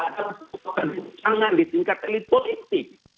adalah sebuah pertanyaan di tingkat elit politik